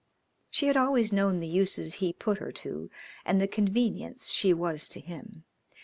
She had always known the uses he put her to and the convenience she was to him.